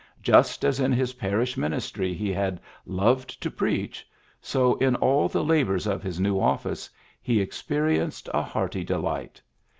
Just as in his parish ministry he had ^^ loved to preach," so in all the labors of his new office he experienced a hearty delight.